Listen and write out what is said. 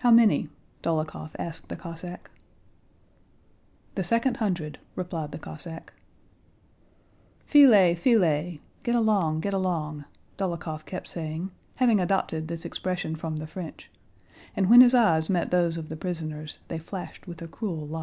"How many?" Dólokhov asked the Cossack. "The second hundred," replied the Cossack. "Filez, filez!" * Dólokhov kept saying, having adopted this expression from the French, and when his eyes met those of the prisoners they flashed with a cruel light.